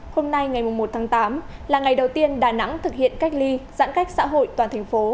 hôm nay ngày một tháng tám là ngày đầu tiên đà nẵng thực hiện cách ly giãn cách xã hội toàn thành phố